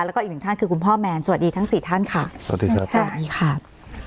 แล้วก็อีกหนึ่งท่านคือคุณพ่อแมนสวัสดีทั้งสี่ท่านค่ะสวัสดีครับสวัสดีค่ะ